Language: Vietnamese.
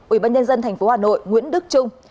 ubnd tp hà nội nguyễn đức trung